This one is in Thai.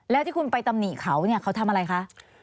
แล้วที่คุณไปตำหนิเขาเนี่ยเขาทำอะไรคะ